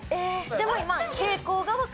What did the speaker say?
でも今。